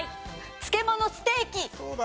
漬物ステーキ！